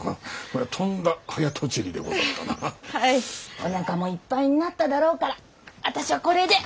おなかもいっぱいになっただろうから私はこれで！